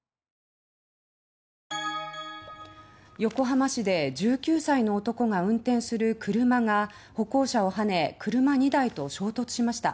横浜市で１９歳の男が運転する車が歩行者をはね車２台と衝突しました。